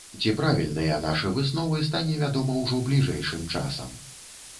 Ці правільныя нашы высновы, стане вядома ўжо бліжэйшым часам.